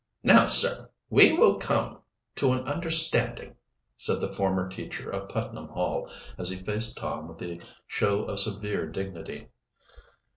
"Now, sir, we will come to an understanding," said the former teacher of Putnam Hall, as he faced Tom with a show of severe dignity.